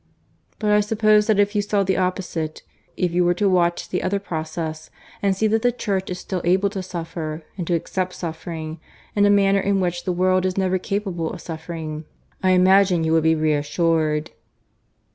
But I suppose that if you saw the opposite, if you were to watch the other process, and see that the Church is still able to suffer, and to accept suffering, in a manner in which the world is never capable of suffering, I imagine you would be reassured."